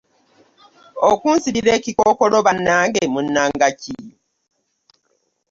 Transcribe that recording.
Okunsibira ekikookolo bannange munnanga ki?